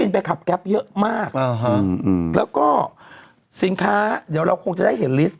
แล้วก็สินค้าเดี๋ยวก่อนจะได้เห็นลิสต์